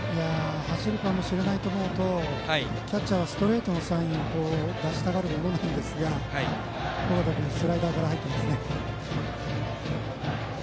走るかもしれないと思うとキャッチャーはストレートのサインを出したがるものなんですがランナー、スタート！